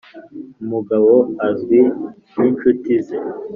umugabo azwi n'inshuti ze